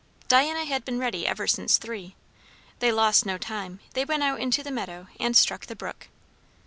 Diana had been ready ever since three. They lost no time; they went out into the meadow and struck the brook.